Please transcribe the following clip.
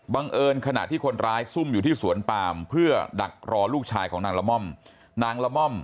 เอิญขณะที่คนร้ายซุ่มอยู่ที่สวนปามเพื่อดักรอลูกชายของนางละม่อมนางละม่อม